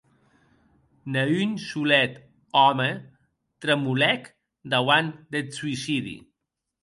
Ne un solet òme tremolèc dauant deth suicidi.